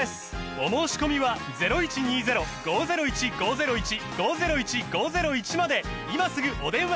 お申込みは今すぐお電話